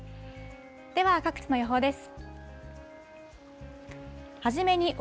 では、各地の予報です。